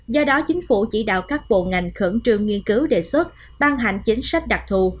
do đó chính phủ chỉ đạo các bộ ngành khẩn trương nghiên cứu đề xuất ban hành chính sách đặc thù